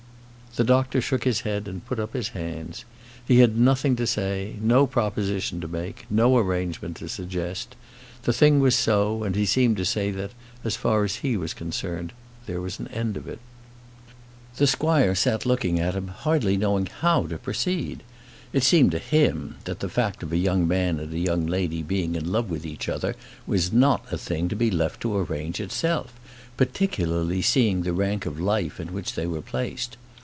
The doctor shook his head and put up his hands. He had nothing to say; no proposition to make; no arrangement to suggest. The thing was so, and he seemed to say that, as far as he was concerned, there was an end of it. The squire sat looking at him, hardly knowing how to proceed. It seemed to him, that the fact of a young man and a young lady being in love with each other was not a thing to be left to arrange itself, particularly, seeing the rank of life in which they were placed.